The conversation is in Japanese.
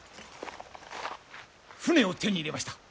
舟を手に入れました。